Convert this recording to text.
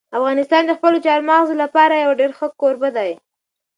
افغانستان د خپلو چار مغز لپاره یو ډېر ښه کوربه دی.